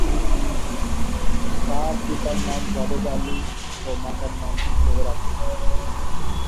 তার পিতার নাম জাবেদ আলী ও মাতা জোহরা খাতুন।